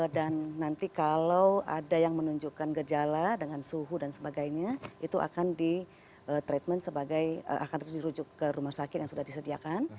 dan nanti kalau ada yang menunjukkan gejala dengan suhu dan sebagainya itu akan di treatment sebagai akan terus dirujuk ke rumah sakit yang sudah disediakan